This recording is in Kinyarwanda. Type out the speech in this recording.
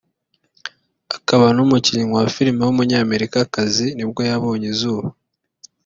akaba n’umukinnyi wa film w’umunyamerika nibwo yabonye izuba